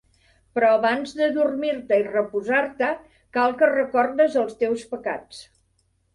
Però abans d’adormir-te i reposar-te, cal que recordes els teus pecats.